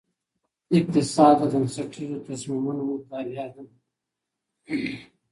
اقتصاد د بنسټیزو تصمیمونو مطالعه ده.